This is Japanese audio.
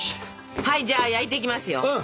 はいじゃあ焼いていきますよ！